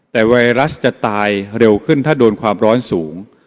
แต่ไวรัสจะตายเร็วขึ้นถ้าโดนความร้อนสูง